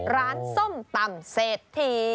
ร้านส้มตำเศษฐี